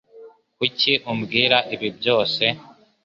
Kuki umbwira ibi byose?